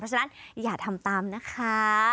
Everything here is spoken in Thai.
ฉะนั้นอย่าทำตามนะคะ